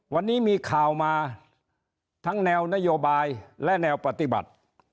วันนี้มีข่าวมาทั้งแนวนโยบายและแนวปฏิบัติ